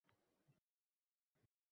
Ular hayron bo‘lishibdi